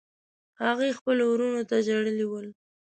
هغې خپلو وروڼو ته ژړلي ول.